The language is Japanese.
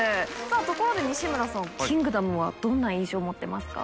ところで西村さん『キングダム』はどんな印象持ってますか？